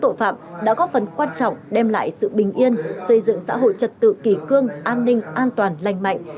thủ tướng chính phủ phạm đã góp phần quan trọng đem lại sự bình yên xây dựng xã hội trật tự kỳ cương an ninh an toàn lành mạnh